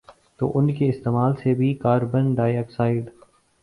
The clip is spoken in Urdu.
تو ان کے استعمال سے بھی کاربن ڈائی آکسائیڈ